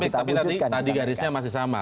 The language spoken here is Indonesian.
tapi tadi garisnya masih sama